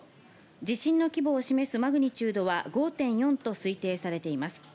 地震の規模を示すマグニチュードは５．４と推定されています。